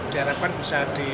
diharapkan bisa di